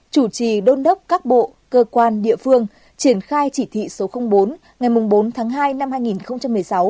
chủ trì đôn đốc các bộ cơ quan địa phương triển khai chỉ thị số bốn ngày bốn tháng hai năm hai nghìn một mươi sáu